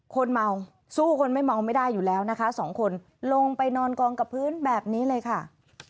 คนเมาสู้คนไม่เมาไม่ได้อยู่แล้วนะคะสองคนลงไปนอนกองกับพื้นแบบนี้เลยค่ะ